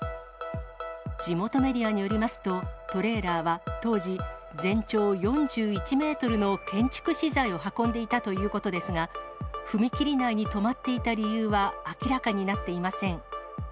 地元メディアによりますと、トレーラーは当時、全長４１メートルの建築資材を運んでいたということですが、踏切内に止まっていた理由は明らかになっていません。